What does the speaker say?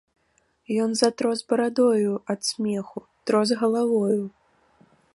Ён затрос барадою ад смеху, трос галавою.